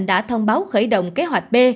đã thông báo khởi động kế hoạch b